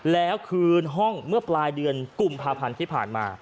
แล้วคืนห้องเมื่อปลายเดือนกุมภาพันธ์ที่ผ่านมา